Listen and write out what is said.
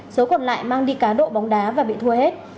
số còn lại mang đi cá độ bóng đá và bị thua hết